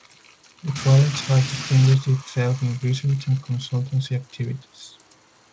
The college has distinguished itself in Research and consultancy activities.